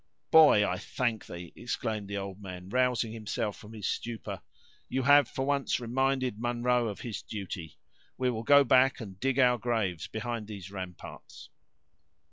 "Boy, I thank thee," exclaimed the old man, rousing himself from his stupor; "you have, for once, reminded Munro of his duty. We will go back, and dig our graves behind those ramparts."